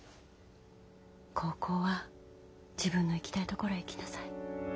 高校は自分の行きたい所へ行きなさい。